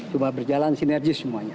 cuma berjalan sinergis semuanya